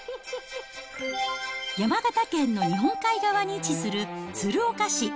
山形県の日本海側に位置する鶴岡市。